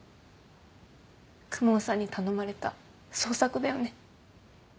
公文さんに頼まれた創作だよね？